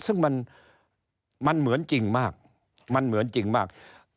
ซึ่งมันเหมือนจริงมาก